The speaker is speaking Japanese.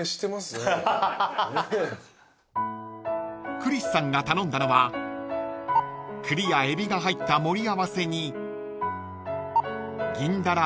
［クリスさんが頼んだのは栗やエビが入った盛り合わせに］